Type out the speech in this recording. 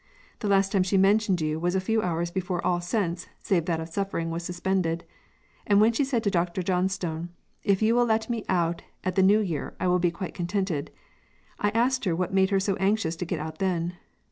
The last time she mentioned you was a few hours before all sense save that of suffering was suspended, when she said to Dr. Johnstone, 'If you will let me out at the New Year, I will be quite contented.' I asked what made her so anxious to get out then.